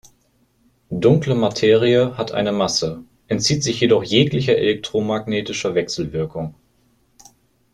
Dunkle Materie hat eine Masse, entzieht sich jedoch jeglicher elektromagnetischer Wechselwirkung.